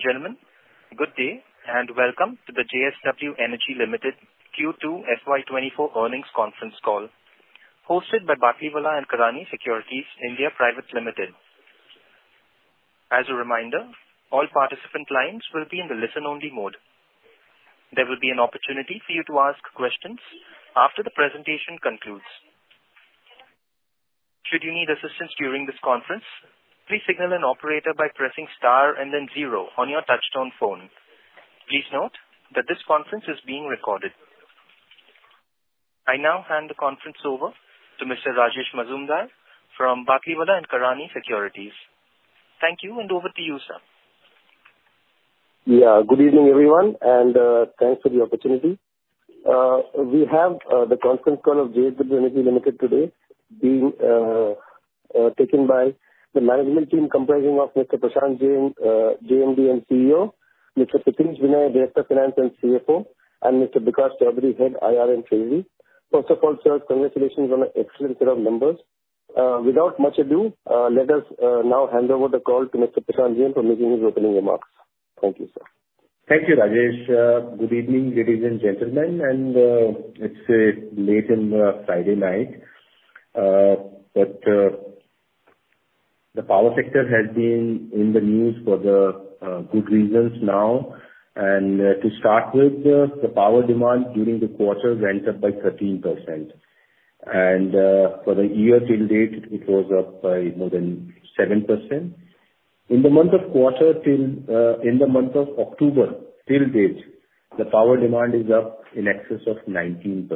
Ladies and gentlemen, good day, and welcome to the JSW Energy Limited Q2 FY 2024 Earnings Conference Call, hosted by Batlivala & Karani Securities India Private Limited. As a reminder, all participant lines will be in the listen-only mode. There will be an opportunity for you to ask questions after the presentation concludes. Should you need assistance during this conference, please signal an operator by pressing star and then zero on your touchtone phone. Please note that this conference is being recorded. I now hand the conference over to Mr. Rajesh Majumdar from Batlivala & Karani Securities. Thank you, and over to you, sir. Yeah. Good evening, everyone, and thanks for the opportunity. We have the conference call of JSW Energy Limited today being taken by the management team, comprising of Mr. Prashant Jain, JMD and CEO, Mr. Pritesh Vinay, Director of Finance and CFO, and Mr. Vikas Jadhav, Head IR and Treasury. First of all, sir, congratulations on an excellent set of numbers. Without much ado, let us now hand over the call to Mr. Prashant Jain for making his opening remarks. Thank you, sir. Thank you, Rajesh. Good evening, ladies and gentlemen, and it's late in the Friday night. The power sector has been in the news for the good reasons now, and to start with, the power demand during the quarter went up by 13%, and for the year till date, it was up by more than 7%. In the month of October till date, the power demand is up in excess of 19%.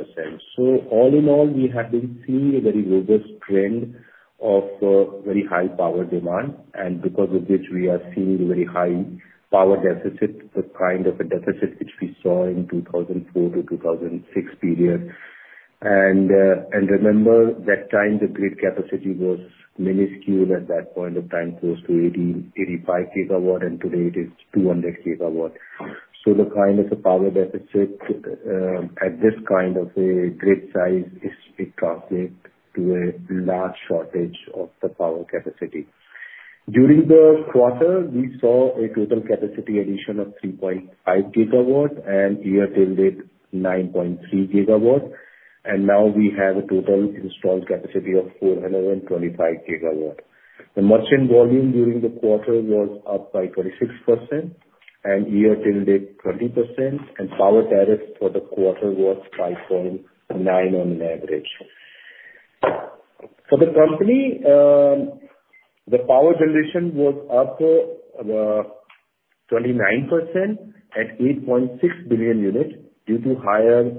All in all, we have been seeing a very robust trend of very high power demand, and because of which we are seeing very high power deficit, the kind of a deficit which we saw in 2004-2006 period. Remember that time, the grid capacity was minuscule at that point of time, close to 80 GW-85 GW, and today it is 200 GW. The kind of a power deficit at this kind of a grid size is translate to a large shortage of the power capacity. During the quarter, we saw a total capacity addition of 3.5 GW and year till date, 9.3 GW, and now we have a total installed capacity of 425 GW. The merchant volume during the quarter was up by 26% and year till date, 20%, and power tariff for the quarter was 5.9 on an average. For the company, the power generation was up 29% at 8.6 billion units due to higher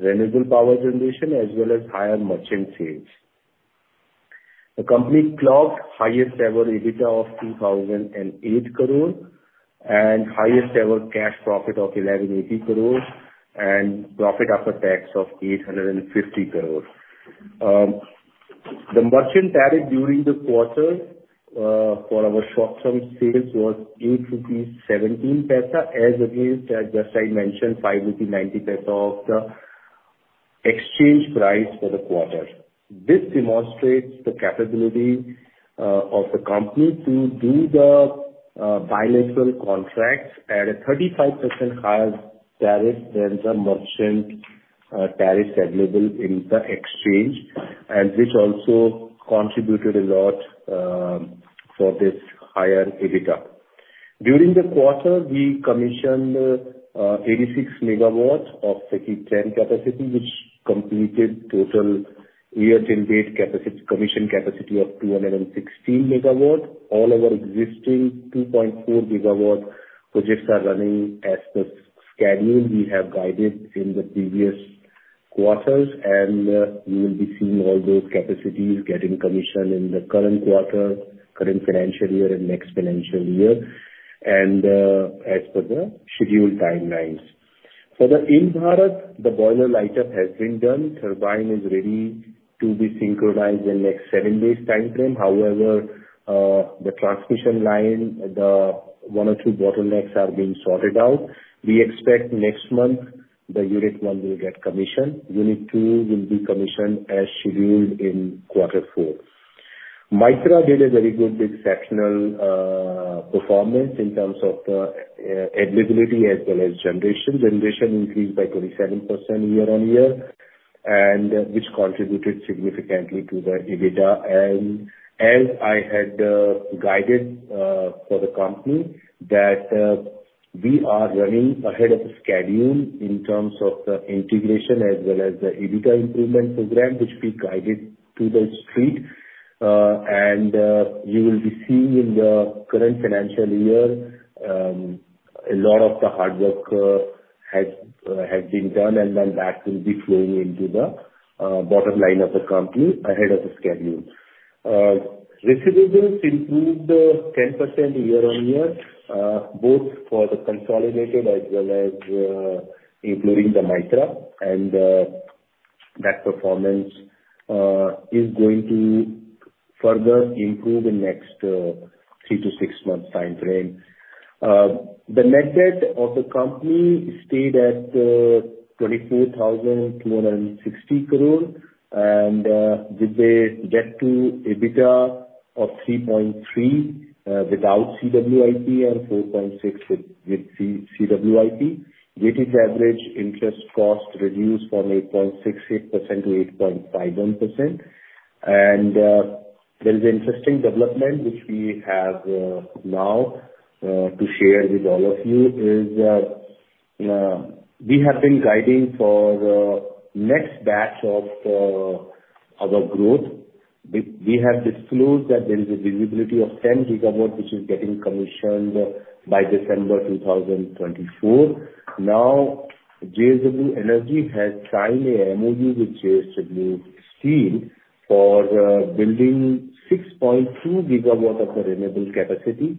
renewable power generation as well as higher merchant sales. The company clocked highest-ever EBITDA of 2,008 crore, and highest-ever cash profit of 1,180 crore, and profit after tax of 850 crore. The merchant tariff during the quarter for our short-term sales was 8.17 rupees, as against, as I just mentioned, 5.90 rupees of the exchange price for the quarter. This demonstrates the capability of the company to do the bilateral contracts at a 35% higher tariff than the merchant tariff available in the exchange, and which also contributed a lot for this higher EBITDA. During the quarter, we commissioned 86 MW of SECI X capacity, which completed total year-to-date commission capacity of 216 MW. All our existing 2.4 GW projects are running as the schedule we have guided in the previous quarters, and we will be seeing all those capacities getting commissioned in the current quarter, current financial year, and next financial year, and as per the scheduled timelines. For the Ind-Barath, the boiler light-up has been done, turbine is ready to be synchronized in the next seven days timeframe. However, the transmission line, the one or two bottlenecks are being sorted out. We expect next month the unit one will get commissioned. Unit two will be commissioned as scheduled in quarter four. Mytrah did a very good exceptional performance in terms of the eligibility as well as generation. Generation increased by 27% year-on-year, and which contributed significantly to the EBITDA. I had guided for the company that we are running ahead of the schedule in terms of the integration as well as the EBITDA improvement program, which we guided to the Street. You will be seeing in the current financial year a lot of the hard work has been done, and then that will be flowing into the bottom line of the company ahead of the schedule. Receivables improved 10% year-over-year, both for the consolidated as well as including the Mytrah. That performance is going to further improve in next three to six months timeframe. The net debt of the company stayed at 24,260 crore, and with the debt-to-EBITDA of 3.3x without CWIP and 4.6x with CWIP. Weighted average interest cost reduced from 8.66% to 8.51%. There is an interesting development which we have now to share with all of you is we have been guiding for the next batch of our growth. We have disclosed that there is a visibility of 10 GW, which is getting commissioned by December 2024. Now, JSW Energy has signed a MOU with JSW Steel for building 6.2 GW of the renewable capacity,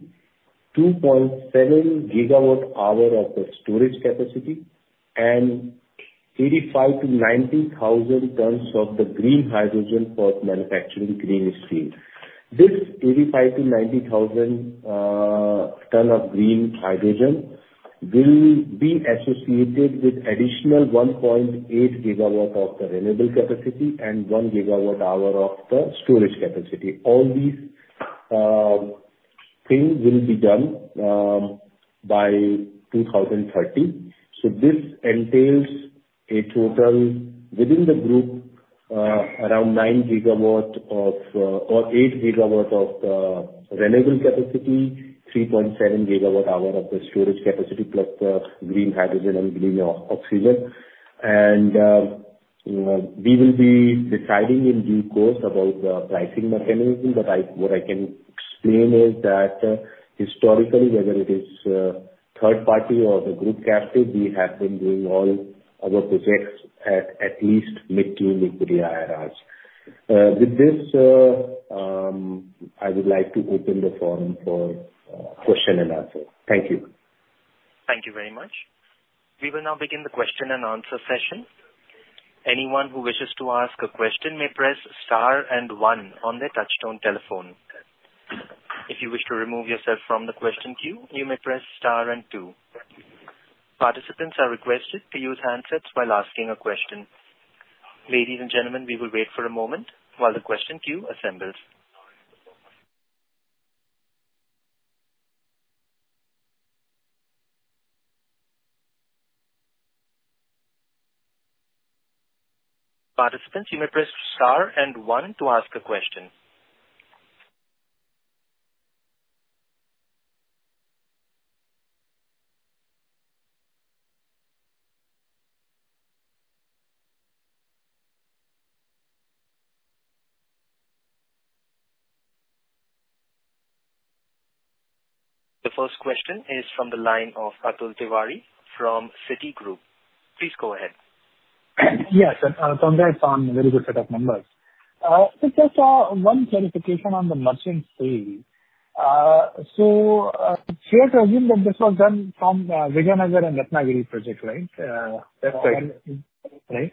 2.7 GWh of the storage capacity, and 85,000 tons-90,000 tons of the green hydrogen for manufacturing green steel. This 85,000-90,000 ton of green hydrogen will be associated with additional 1.8 GW of the renewable capacity and 1 GWh of the storage capacity. All these things will be done by 2030. This entails a total within the group around 9 GW of or 8 GW of renewable capacity, 3.7 GWh of the storage capacity, plus the green hydrogen and green oxygen. We will be deciding in due course about the pricing mechanism. What I can explain is that, historically, whether it is third party or the group captive, we have been doing all our projects at at least mid-to-liquidity IRRs. With this, I would like to open the forum for question and answer. Thank you. Thank you very much. We will now begin the question-and-answer session. Anyone who wishes to ask a question may press star and one on their touchtone telephone. If you wish to remove yourself from the question queue, you may press star and two. Participants are requested to use handsets while asking a question. Ladies and gentlemen, we will wait for a moment while the question queue assembles. Participants, you may press star and one to ask a question. The first question is from the line of Atul Tiwari from Citigroup. Please go ahead. Yes, Congrats on very good set of numbers. Just one clarification on the merchant sale. Fair to assume that this was done from Vijayanagar and Ratnagiri project, right? That's right. Right.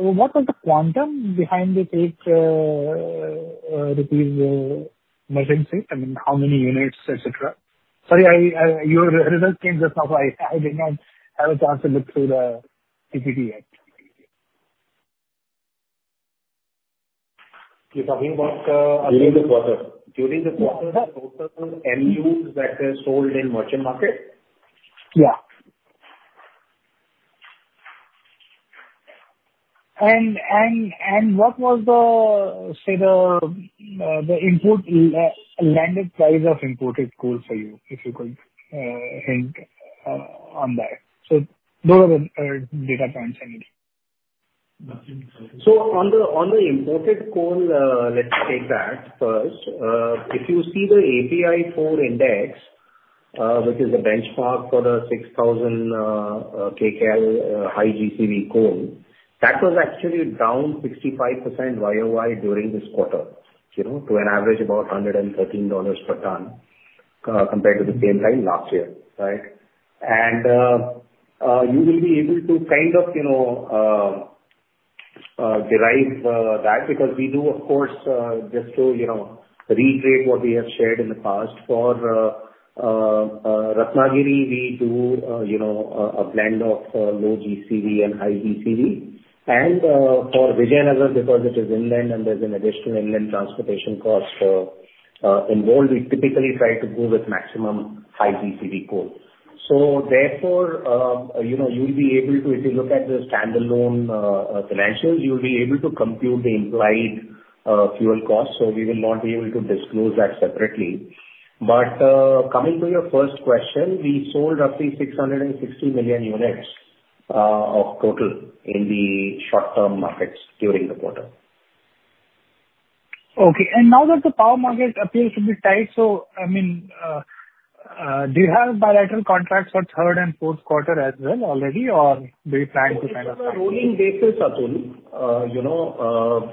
What was the quantum behind this 8 rupees merchant sale? I mean, how many units, et cetera? Sorry, your results came just now, so I did not have a chance to look through the PPT yet. You're talking about. During this quarter the total MUs that are sold in merchant market? Yeah. What was the, say, the input landed price of imported coal for you, if you could hint on that? Those are the data points I need. On the imported coal, let's take that first. If you see the API4 Index, which is a benchmark for the 6,000 Kcal high GCV coal, that was actually down 65% year-on-year during this quarter, you know, to an average about $113 per ton compared to the same time last year, right? You will be able to kind of, you know, derive that because we do, of course, just to, you know, reiterate what we have shared in the past, for Ratnagiri, we do, you know, a blend of low GCV and high GCV. For Vijayanagar, because it is inland and there's an additional inland transportation cost involved, we typically try to go with maximum high GCV coal. Therefore, you know, you'll be able to, if you look at the standalone financials, you'll be able to compute the implied fuel costs. We will not be able to disclose that separately. Coming to your first question, we sold roughly 660 million units of total in the short-term markets during the quarter. Okay. Now that the power market appears to be tight, so I mean, do you have bilateral contracts for third and fourth quarter as well already, or do you plan to kind of? On a rolling basis, Atul, you know,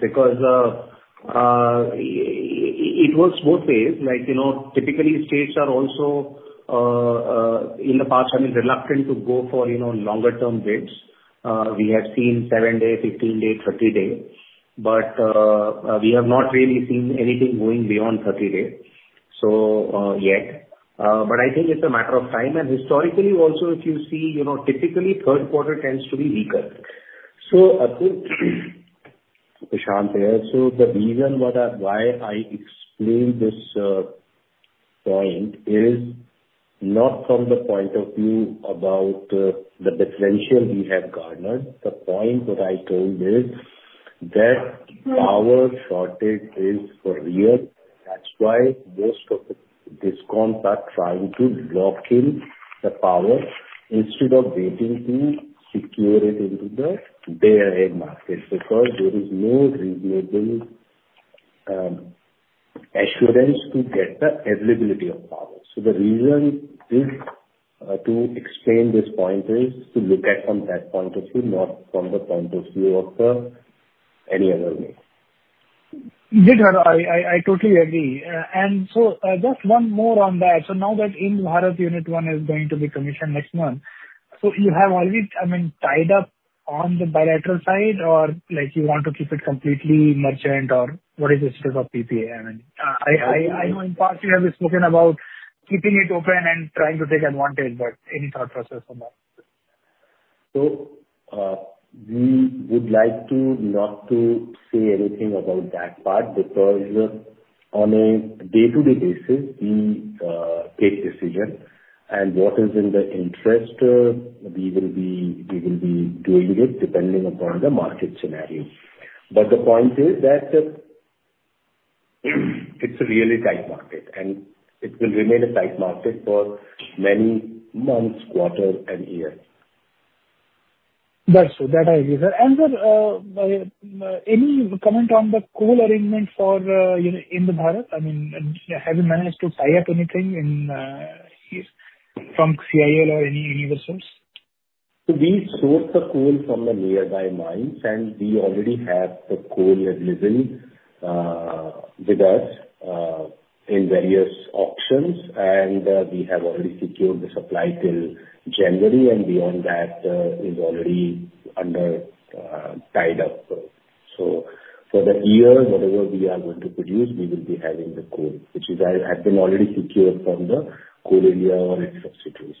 because it works both ways. Like, you know, typically states are also in the past, I mean, reluctant to go for, you know, longer-term bids. We have seen seven-day, 15-day, 30-day, but we have not really seen anything going beyond 30-day. Yeah. But I think it's a matter of time, and historically also, if you see, you know, typically third quarter tends to be weaker. I think, Prashant here. The reason why I explained this point is not from the point of view about the differential we have garnered. The point that I told is that power shortage is for real. That's why most of the DISCOMs are trying to lock in the power instead of waiting to secure it into the Day-Ahead Market, because there is no reasonable assurance to get the availability of power. The reason is to explain this point is to look at from that point of view, not from the point of view of the any other way. Yeah, I totally agree. Just one more on that. Now that Ind-Barath unit one is going to be commissioned next month, you have already, I mean, tied up on the bilateral side or like you want to keep it completely merchant, or what is the state of PPA, I mean? I know in past you have spoken about keeping it open and trying to take advantage, but any thought process on that? We would like to, not to say anything about that part, because on a day-to-day basis, we take decision, and what is in the interest, we will be, we will be doing it depending upon the market scenario. The point is that it's a really tight market, and it will remain a tight market for many months, quarters, and years. That's so, that I agree. Any comment on the coal arrangement for, you know, Ind-Barath? I mean, have you managed to tie up anything from CIL or any other source? We source the coal from the nearby mines, and we already have the coal available with us in various auctions. We have already secured the supply till January, and beyond that is already tied up. For the year, whatever we are going to produce, we will be having the coal, which has been already secured from Coal India or its substitutes.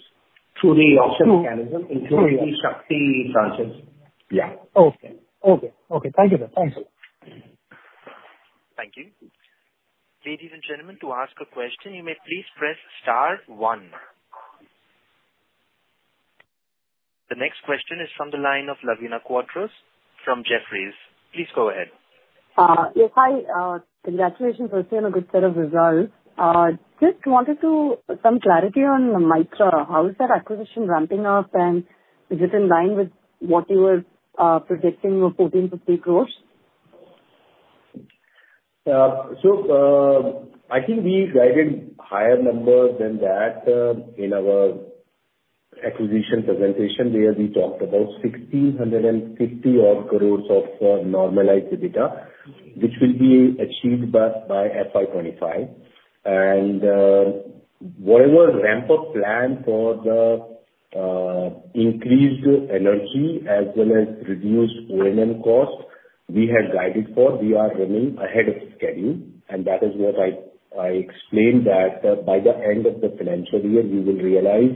Through the auction mechanism, including SHAKTI tranches? Yeah. Okay. Okay. Okay. Thank you, sir. Thank you. Thank you. Ladies and gentlemen, to ask a question, you may please press star one. The next question is from the line of Lavina Quadros from Jefferies. Please go ahead. Yes, hi. Congratulations on a good set of results. Just wanted some clarity on Mytrah. How is that acquisition ramping up, and is it in line with what you were predicting of 1,450 crores? I think we guided higher numbers than that in our acquisition presentation, where we talked about 1,650-odd crore of normalized EBITDA, which will be achieved by FY 2025. Whatever ramp-up plan for the increased energy as well as reduced O&M costs we had guided for, we are running ahead of schedule. That is what I explained that by the end of the financial year, you will realize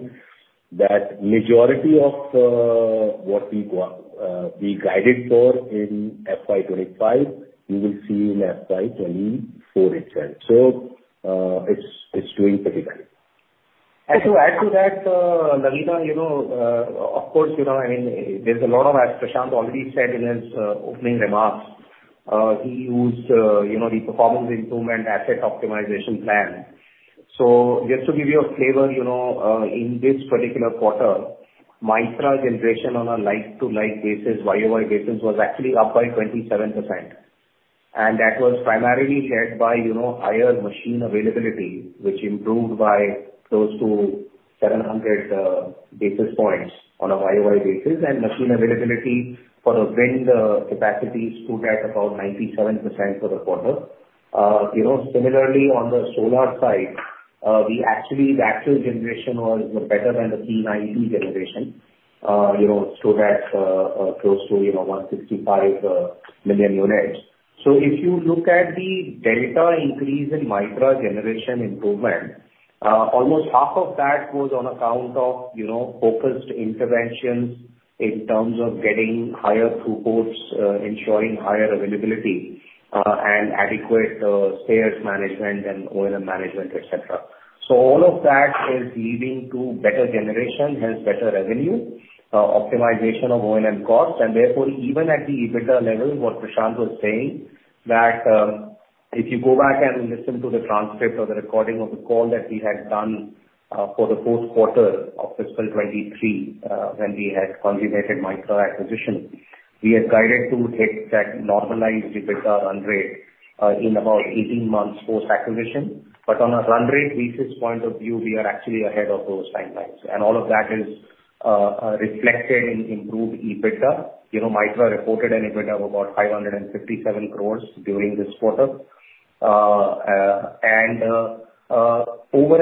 that majority of what we guided for in FY 2025, you will see in FY 2024 itself. It's doing pretty well. To add to that, Lavina, you know, of course, you know, I mean, there's a lot of, as Prashant already said in his opening remarks, he used, you know, the performance improvement asset optimization plan. Just to give you a flavor, you know, in this particular quarter, Mytrah generation on a like-to-like basis, year-on-year basis, was actually up by 27%. That was primarily led by, you know, higher machine availability, which improved by close to 700 basis points on a year-on-year basis, and machine availability for the wind capacity stood at about 97% for the quarter. You know, similarly, on the solar side, we actually, the actual generation was, you know, better than the P90 generation. You know, stood at close to, you know, 165 million units. If you look at the delta increase in Mytrah generation improvement, almost half of that was on account of, you know, focused interventions in terms of getting higher throughputs, ensuring higher availability, and adequate spares management and O&M management, et cetera. All of that is leading to better generation, hence better revenue, optimization of O&M costs. Therefore, even at the EBITDA level, what Prashant was saying, that if you go back and listen to the transcript or the recording of the call that we had done for the fourth quarter of fiscal 2023, when we had consummated Mytrah acquisition, we had guided to hit that normalized EBITDA run rate in about 18 months post-acquisition. On a run rate basis point of view, we are actually ahead of those timelines, and all of that is reflected in improved EBITDA. You know, Mytrah reported an EBITDA of about 557 crore during this quarter. Over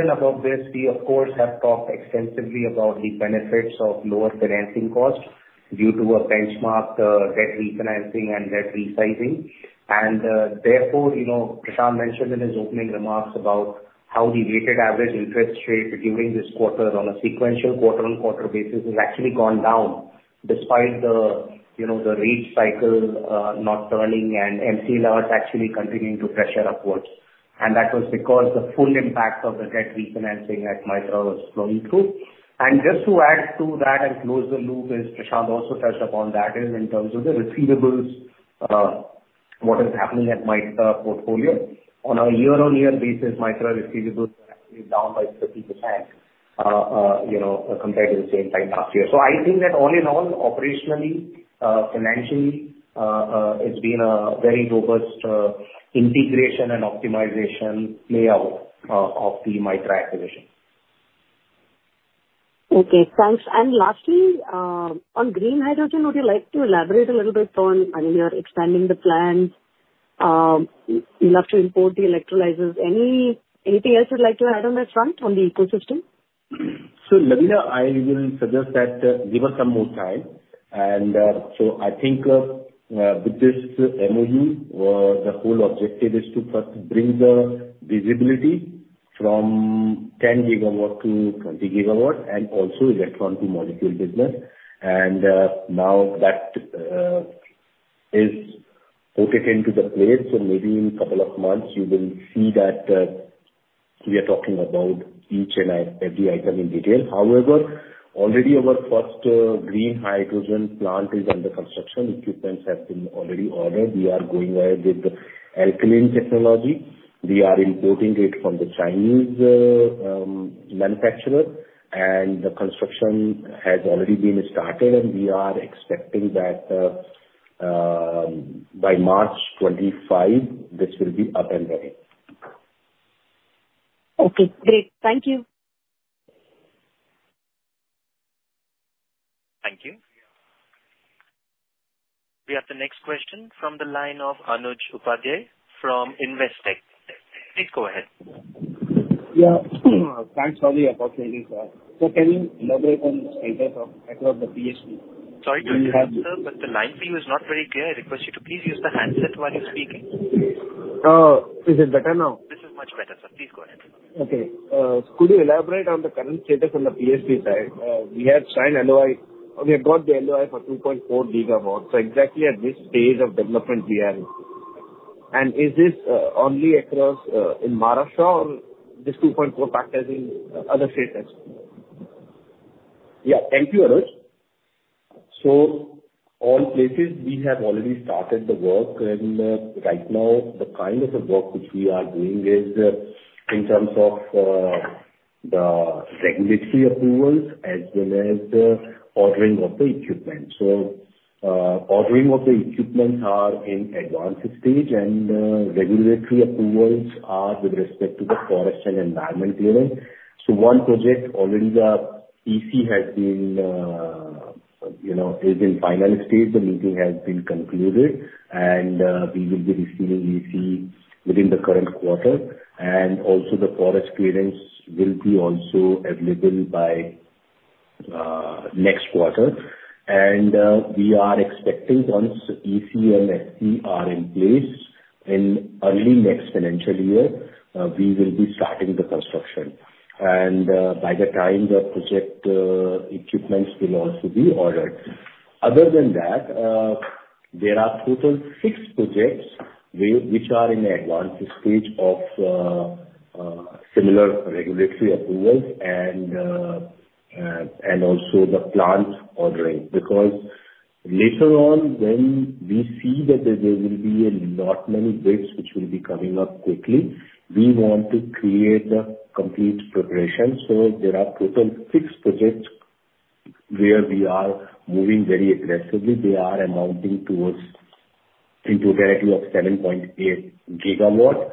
and above this, we, of course, have talked extensively about the benefits of lower financing costs due to a benchmark debt refinancing and debt resizing. Therefore, you know, Prashant mentioned in his opening remarks about how the weighted average interest rate during this quarter on a sequential quarter-on-quarter basis has actually gone down, despite, you know, the rate cycle not turning and MCLR is actually continuing to pressure upwards. That was because the full impact of the debt refinancing at Mytrah was flowing through. Just to add to that and close the loop, as Prashant also touched upon that, is in terms of the receivables, what is happening at Mytrah portfolio. On a year-on-year basis, Mytrah receivables are actually down by 50%, you know, compared to the same time last year. I think that all in all, operationally, financially, it's been a very robust integration and optimization layout of the Mytrah acquisition. Okay, thanks. Lastly, on green hydrogen, would you like to elaborate a little bit on, I mean, you're expanding the plan, you'll have to import the electrolyzers? Anything else you'd like to add on that front, on the ecosystem? Lavina, I will suggest that give us some more time. I think with this MOU, the whole objective is to first bring the visibility from 10 GW-20 GW and also electron to molecule business. Now that is put into the place, so maybe in couple of months you will see that we are talking about each and every item in detail. However, already our first green hydrogen plant is under construction. Equipments have been already ordered. We are going ahead with the alkaline technology. We are importing it from the Chinese manufacturer, and the construction has already been started, and we are expecting that by March 2025, this will be up and running. Okay, great. Thank you. Thank you. We have the next question from the line of Anuj Upadhyay from Investec. Please go ahead. Yeah. Thank all for the opportunity for us. Could you elaborate on the status on the PSP side? Sorry to interrupt, sir, but the line for you is not very clear. I request you to please use the handset while you're speaking. Is it better now? This is much better, sir. Please go ahead. Okay. Could you elaborate on the current status on the PSP side? We have signed LOI. We have got the LOI for 2.4 GW, so exactly at which stage of development we are in? Is this only across in Maharashtra or this 2.4 GW factors in other states as well? Yeah. Thank you, Anuj. All places we have already started the work, and right now, the kind of the work which we are doing is in terms of the regulatory approvals as well as the ordering of the equipment. Ordering of the equipment are in advanced stage, and regulatory approvals are with respect to the forest and environment clearing. One project, already the EC has been, you know, is in final stage. The meeting has been concluded, and we will be receiving EC within the current quarter, and also the forest clearance will be also available by next quarter. We are expecting once EC and FC are in place, in early next financial year, we will be starting the construction. By the time the project equipments will also be ordered. Other than that, there are total six projects which are in advanced stage of similar regulatory approvals and also the plant ordering. Because later on when we see that there will be a lot many bids which will be coming up quickly, we want to create a complete preparation. There are total six projects where we are moving very aggressively. They are aMOUnting towards into a value of 7.8 GW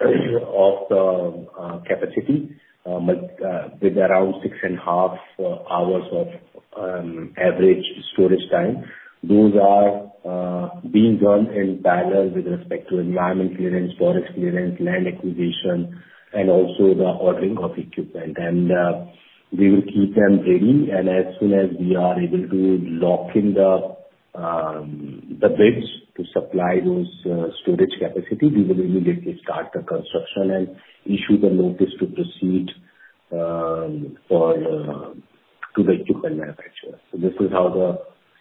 of the capacity but with around six and half hours of average storage time. Those are being done in parallel with respect to Environment Clearance, Forest Clearance, land acquisition, and also the ordering of equipment. We will keep them ready, and as soon as we are able to lock in the bids to supply those storage capacity, we will immediately start the construction and issue the notice to proceed to the equipment manufacturer. This is how the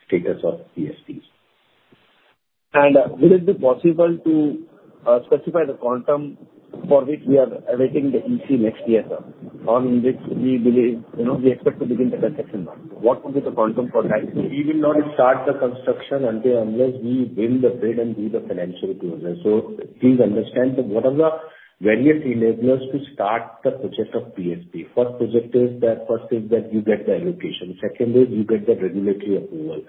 status of PSPs. Will it be possible to specify the quantum for which we are awaiting the EC next year, sir, on which we believe, you know, we expect to begin the construction work? What would be the quantum for that? We will not start the construction until and unless we win the bid and do the financial closure. Please understand that what are the various enablers to start the project of PSP? First project is that, first is that you get the allocation, second is you get the regulatory approval,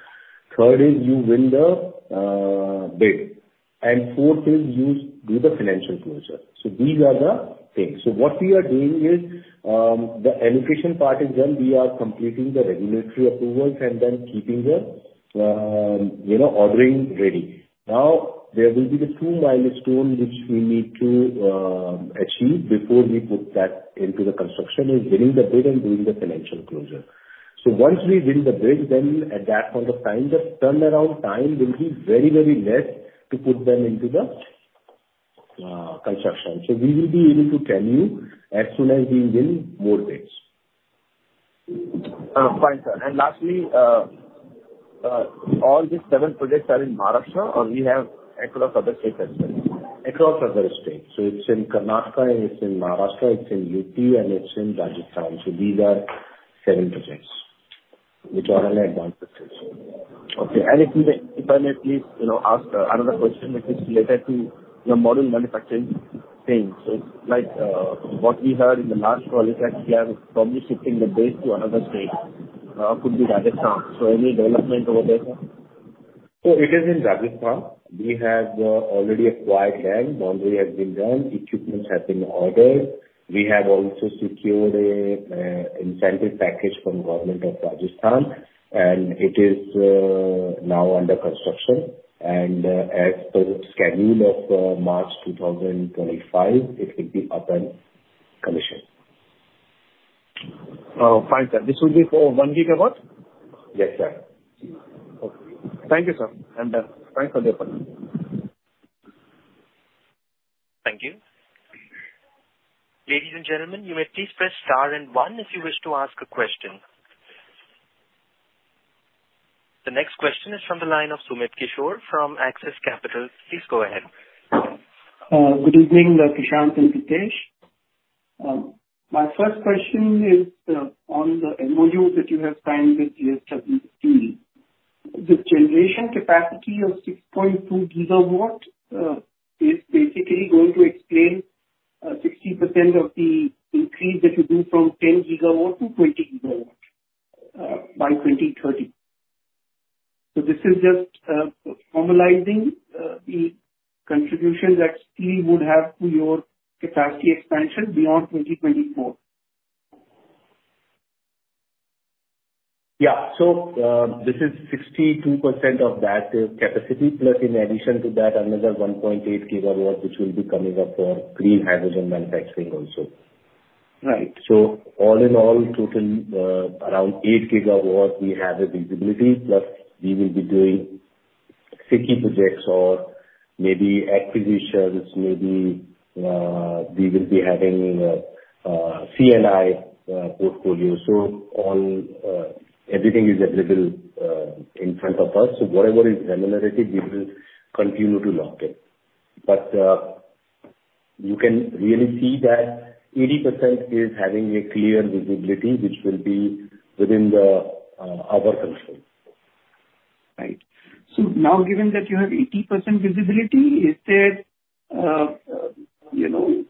third is you win the bid, and fourth is you do the financial closure. These are the things. What we are doing is the allocation part is done, we are completing the regulatory approvals and then keeping the, you know, ordering ready. Now, there will be the two milestone which we need to achieve before we put that into the construction, is winning the bid and doing the financial closure. Once we win the bid, then at that point of time, the turnaround time will be very, very less to put them into the construction. We will be able to tell you as soon as we win more bids. Fine, sir. Lastly, all these seven projects are in Maharashtra, or we have across other states as well? Across other states, so it's in Karnataka, and it's in Maharashtra, it's in UP, and it's in Rajasthan. These are seven projects which are under advanced stages. Okay. If I may please, you know, ask another question which is related to your module manufacturing thing. Like what we heard in the last quarter, that you have probably shifting the base to another state, could be Rajasthan. Any development over there, sir? It is in Rajasthan. We have already acquired land, boundary has been done, equipment has been ordered. We have also secured a incentive package from Government of Rajasthan, and it is now under construction. As per schedule of March 2025, it will be up and commissioned. Oh, fine, sir. This will be for 1 GW? Yes, right. Okay. Thank you, sir, and thanks for the opportunity. Thank you. Ladies and gentlemen, you may please press star and one if you wish to ask a question. The next question is from the line of Sumit Kishore from Axis Capital. Please go ahead. Good evening, Prashant and Pritesh. My first question is on the MOU that you have signed with JSW Steel. The generation capacity of 6.2 GW is basically going to explain 60% of the increase that you do from 10 GW to 20 GW by 2030. This is just formalizing the contribution that steel would have to your capacity expansion beyond 2024? Yeah. So, this is 62% of that capacity, plus in addition to that, another 1.8 GW, which will be coming up for green hydrogen manufacturing also. Right. All in all, total around 8 GW we have a visibility, plus we will be doing SECI projects or maybe acquisitions, maybe we will be having C&I portfolio. Everything is available in front of us. Whatever is remunerative, we will continue to lock it. You can really see that 80% is having a clear visibility, which will be within our control. Right. Now given that you have 80% visibility, is there, you know,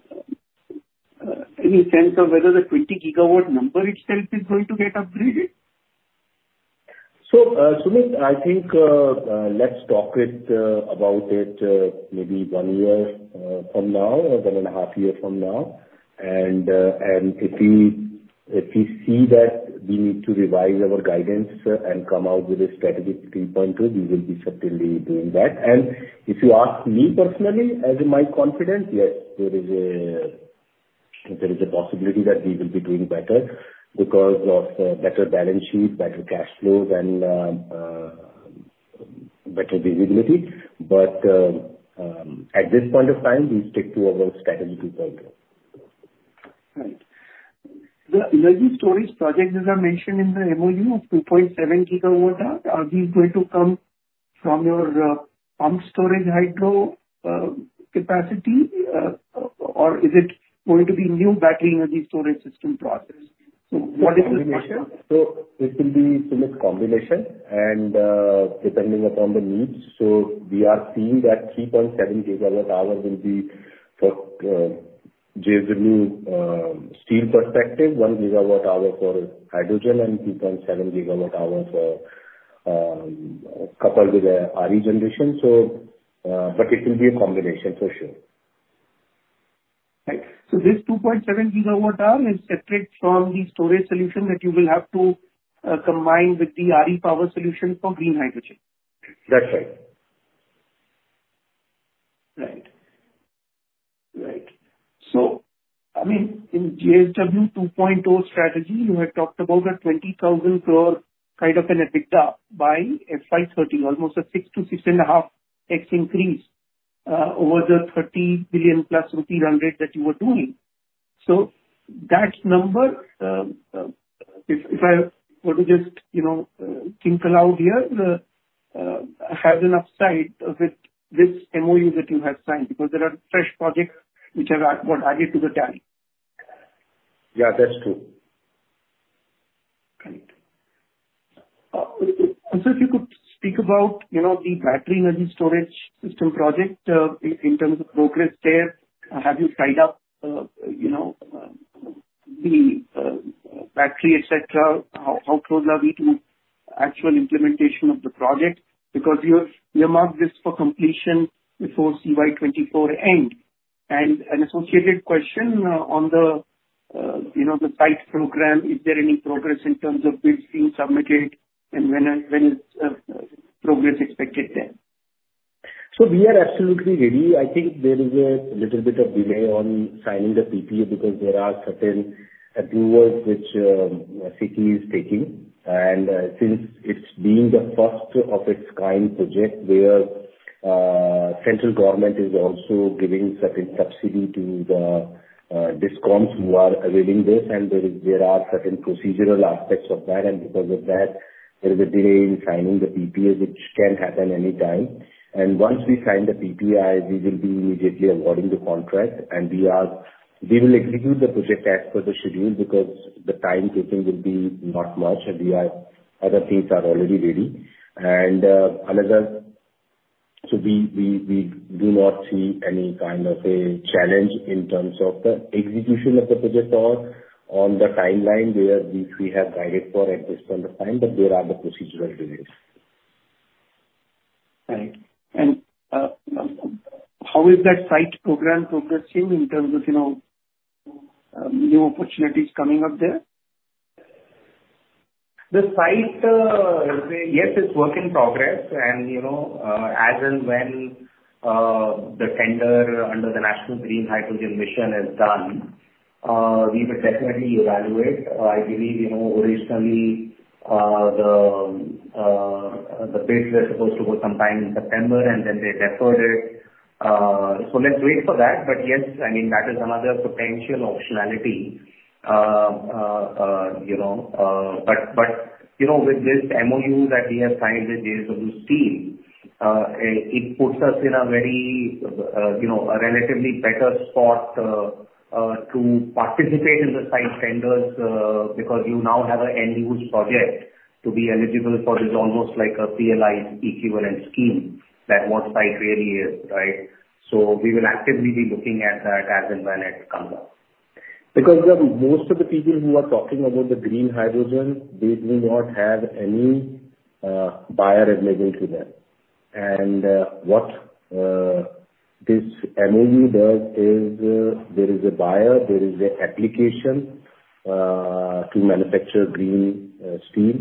any sense of whether the 20 GW number itself is going to get upgraded? Sumit, I think let's talk about it maybe one year from now or one-and-a-half year from now. If we see that we need to revise our guidance and come out with a strategic 3.0, we will be certainly doing that. If you ask me personally, as in my confidence, yes, there is a possibility that we will be doing better because of better balance sheet, better cash flows, and better visibility. At this point of time, we stick to our strategy 2.0. Right. The energy storage projects that are mentioned in the MOU of 2.7 GWh, are these going to come from your pumped storage hydro capacity or is it going to be new battery energy storage system projects? What is the question? It will be some combination and depending upon the needs. We are seeing that 3.7 GWh will be for JSW Steel perspective, 1 GWh for hydrogen and 3.7 GWh for coupled with the RE generation. But it will be a combination for sure. Right. This 2.7 GWh is separate from the storage solution that you will have to combine with the RE power solution for green hydrogen? That's right. Right. Right. I mean, in JSW 2.0 strategy, you had talked about an 20,000 crore kind of an EBITDA by FY 2030, almost a 6x-6.5x increase over the 30+ billion rupee run rate that you were doing. That number, if I were to just, you know, think aloud here, has an upside with this MOU that you have signed, because there are fresh projects which were added to the tally. Yeah, that's true. Great. Also, if you could speak about, you know, the battery energy storage system project in terms of progress there. Have you tied up, you know, the battery, et cetera? How close are we to actual implementation of the project? Because you marked this for completion before CY 2024 end. An associated question on the, you know, the SIGHT program, is there any progress in terms of bids being submitted, and when is progress expected there? We are absolutely ready. I think there is a little bit of delay on signing the PPA because there are certain approvals which SECI is taking. Since it is being the first-of-its-kind project where Central Government is also giving certain subsidy to the DISCOMs who are availing this, and there are certain procedural aspects of that. Because of that, there is a delay in signing the PPAs, which can happen anytime. Once we sign the PPA, we will be immediately awarding the contract. We will execute the project as per the schedule because the time taken will be not much, and other things are already ready. We do not see any kind of a challenge in terms of the execution of the project or on the timeline where which we have guided for at this point of time, but there are the procedural delays. Right. How is that SIGHT program progressing in terms of, you know, new opportunities coming up there? The site, yes, it's work in progress. You know, as and when the tender under the National Green Hydrogen Mission is done, we will definitely evaluate. I believe, you know, originally, the bids were supposed to go sometime in September, and then they deferred it. Let's wait for that. Yes, I mean, that is another potential optionality. You know, with this MOU that we have signed with JSW Steel, it puts us in a very, you know, a relatively better spot to participate in the SIGHT tenders because you now have an end-use project to be eligible for. It's almost like a PLI equivalent scheme that what SIGHT really is, right? We will actively be looking at that as and when it comes up. Because most of the people who are talking about the green hydrogen, they do not have any buyer available to them. What this MOU does is there is a buyer, there is an application to manufacture green steel,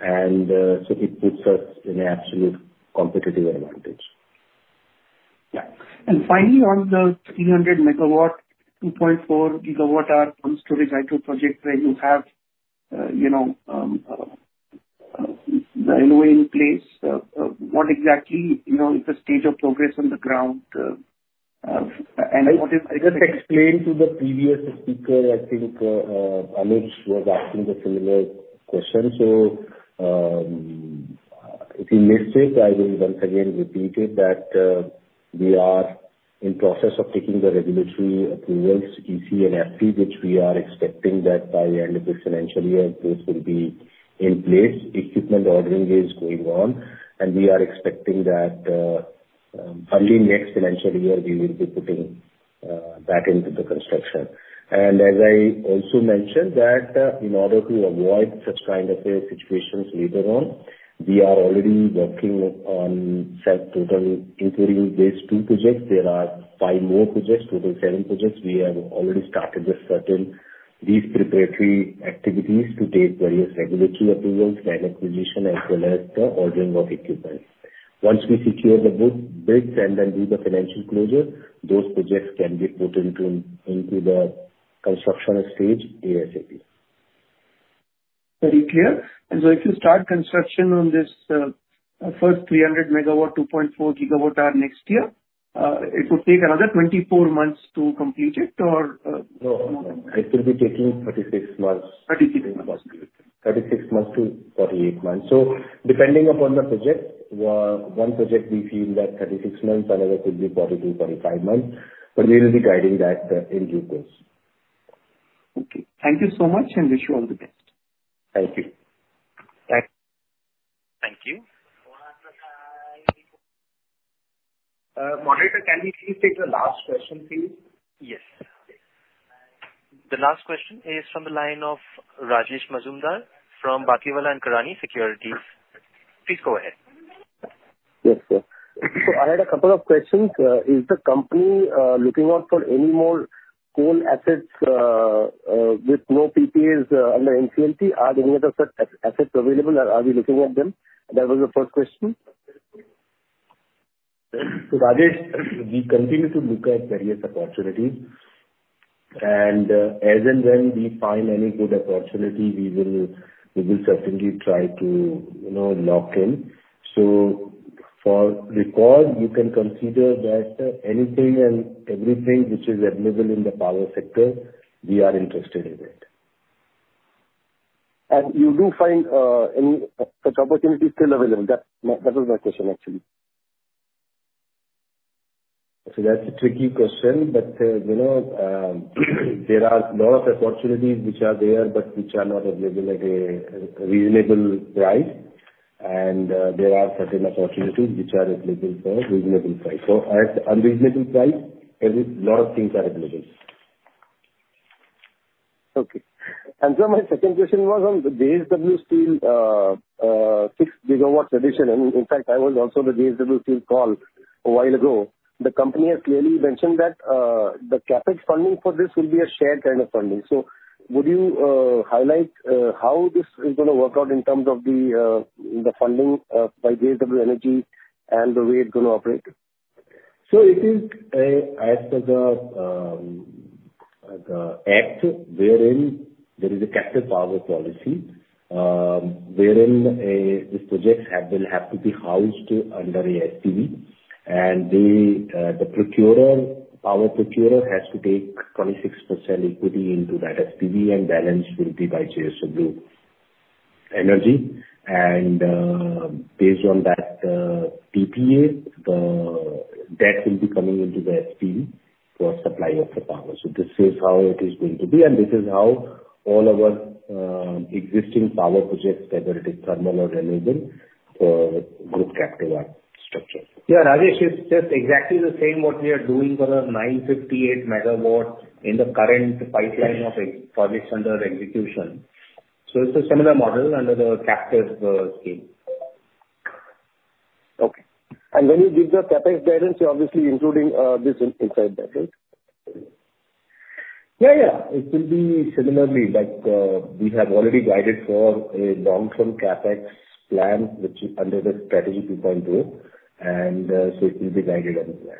and so it puts us in an absolute competitive advantage. Yeah. Finally, on the 300 MW, 2.4 GWh pumped storage hydro project, where you have, you know, the LOA in place, what exactly, you know, is the stage of progress on the ground? What is- I just explained to the previous speaker. I think Amit was asking the similar question. If he missed it, I will once again repeat it, that we are in process of taking the regulatory approvals, EC and FC, which we are expecting that by end of this financial year, those will be in place. Equipment ordering is going on, and we are expecting that early next financial year, we will be putting that into the construction. As I also mentioned, that in order to avoid such kind of a situations later on, we are already working on said total. Including these two projects, there are five more projects, total seven projects. We have already started these preparatory activities to take various regulatory approvals, land acquisition, as well as the ordering of equipment. Once we secure the bids and then do the financial closure, those projects can be put into the construction stage ASAP. Very clear. If you start construction on this first 300 MW, 2.4 GWh next year, it would take another 24 months to complete it, or? No, it will be taking 36 months. Thirty-six months. 36 months-48 months. Depending upon the project, one project we feel that 36 months, another could be 40 months-45 months, but we will be guiding that in due course. Okay. Thank you so much, and wish you all the best. Thank you. Bye. Thank you. Moderator, can we please take the last question, please? Yes. The last question is from the line of Rajesh Majumdar from Batlivala & Karani Securities. Please go ahead. I had a couple of questions. Is the company looking out for any more coal assets with no PPAs under NCLT or any other such assets available or are we looking at them? That was the first question. Rajesh, we continue to look at various opportunities, and as and when we find any good opportunity, we will certainly try to, you know, lock in. For record, you can consider that anything and everything which is available in the power sector, we are interested in it. You do find any such opportunities still available? That was my question actually. That's a tricky question, but you know, there are a lot of opportunities which are there, but which are not available at a reasonable price. There are certain opportunities which are available for reasonable price. At unreasonable price, a lot of things are available. Okay. Sir, my second question was on the JSW Steel 6 GW addition. In fact, I was also in the JSW Steel call a while ago. The company has clearly mentioned that the CapEx funding for this will be a shared kind of funding. Would you highlight how this is gonna work out in terms of the funding by JSW Energy and the way it's gonna operate? It is as per the act wherein there is a captive power policy wherein these projects have to be housed under a SPV. The procurer, power procurer, has to take 26% equity into that SPV and balance will be by JSW Energy. Based on that PPA, the debt will be coming into the SPV for supply of the power. This is how it is going to be, and this is how all our existing power projects, whether it is thermal or renewable, group capital structure. Yeah, Rajesh, it's just exactly the same what we are doing for the 958 MW in the current pipeline of a projects under execution. It's a similar model under the captive scheme. Okay. When you give the CapEx guidance, you're obviously including this inside that, right? Yeah, yeah. It will be similarly, but we have already guided for a long-term CapEx plan, which is under the Strategy 2.0, and so it will be guided on the plan.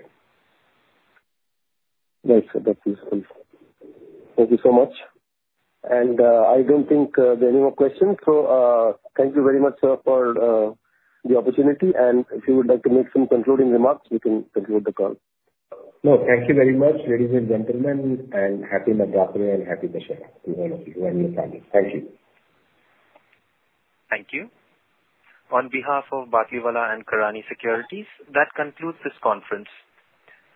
Nice. That is helpful. Thank you so much. I don't think there are any more questions. Thank you very much, sir, for the opportunity, and if you would like to make some concluding remarks, you can conclude the call. No, thank you very much, ladies and gentlemen, and happy Navaratri and happy Dussehra to all of you and your family. Thank you. Thank you. On behalf of Batlivala and Karani Securities, that concludes this conference.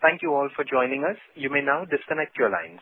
Thank you all for joining us. You may now disconnect your lines.